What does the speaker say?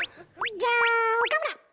じゃあ岡村！